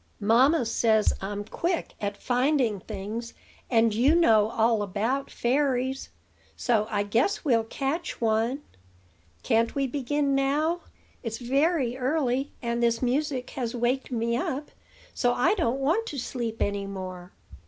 "Mamma says I'm quick at finding things; and you know all about fairies, so I guess we'll catch one. Can't we begin now? It's very early, and this music has waked me up; so I don't want to sleep any more.